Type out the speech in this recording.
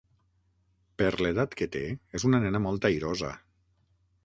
Per l'edat que té, és una nena molt airosa.